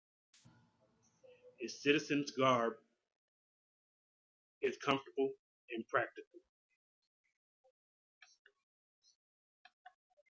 Its citizens' garb is comfortable and practical.